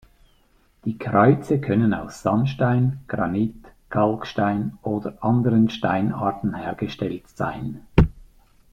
Die Kreuze können aus Sandstein, Granit, Kalkstein oder anderen Steinarten hergestellt sein.